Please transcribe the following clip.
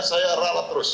saya ralat terus